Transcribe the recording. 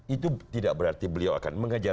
itu tidak berarti beliau akan mengajar